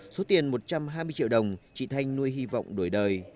số tiền một trăm hai mươi triệu đồng chị thanh nuôi hy vọng đổi đời